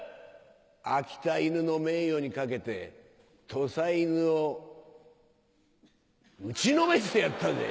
秋田犬の名誉に懸けて土佐犬を打ちのめしてやったぜ！